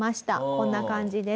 こんな感じです。